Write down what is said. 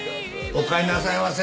おかえりなさいませ。